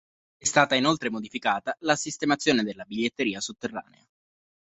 È stata inoltre modificata la sistemazione della biglietteria sotterranea.